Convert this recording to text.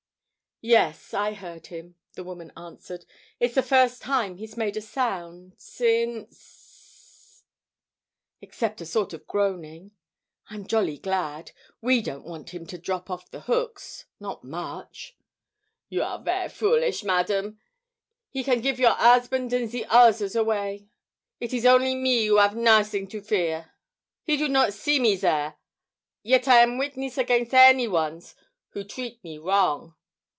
"Yes, I heard him," the woman answered. "It's the first time he's made a sound since, except a sort of groaning. I'm jolly glad. We don't want him to drop off the hooks. Not much!" "You are ver' foolish, Madam. He can give your 'usband and ze ozzers away. It is only me who 'ave nozzing to fear. He do not see me zere. Yet I am witness agains' any ones who treat me wrong."